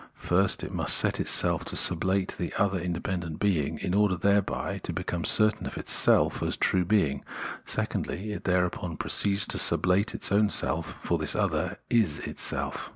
First, it must set itself to sublate the other independent being, in order thereby to become certain of itself as true being, secondly, it thereupon proceeds to sublate its own self, for this other is itself.